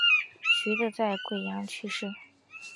徐的在桂阳去世。